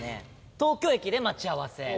東京駅で待ち合わせ。